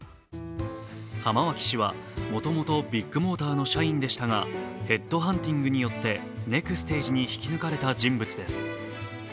浜脇氏はもともとビッグモーターの社員でしたがヘッドハンティングによって、ネクステージに引き抜かれた人物です。